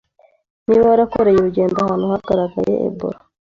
Niba warakoreye urugendo ahantu hagaragaye Ebola,